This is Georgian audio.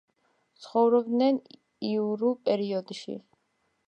ცხოვრობდნენ იურულ პერიოდში.